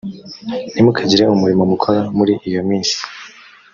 ntimukagire umurimo mukora muri iyo minsi